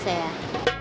bapak mau ke rumah